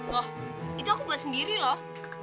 wah itu aku buat sendiri loh